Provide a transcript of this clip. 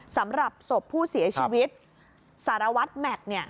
สำหรับศพผู้เสียชีวิตสารวัฒน์แม็ก